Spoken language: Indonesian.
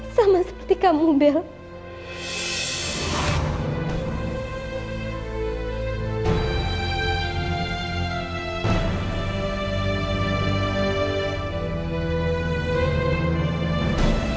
sama seperti kamu bella